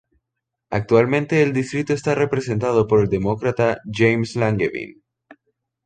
Actualmente el distrito está representado por el Demócrata James Langevin.